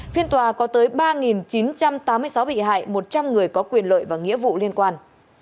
phiên tòa có tới ba chín trăm tám mươi sáu bị hại một trăm linh người có quyền lợi và nghĩa vụ liên quan